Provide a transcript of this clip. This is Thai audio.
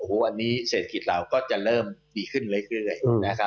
วันนี้เศรษฐกิจเราก็จะเริ่มดีขึ้นเรื่อย